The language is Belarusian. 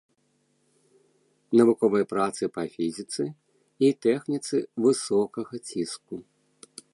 Навуковыя працы па фізіцы і тэхніцы высокага ціску.